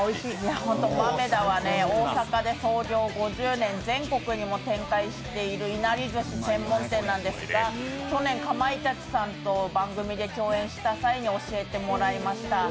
豆狸は大阪で創業５０年全国にも展開しているいなりずし専門店なんですが、去年かまいたちさんと番組で共演した際に教えてもらいました。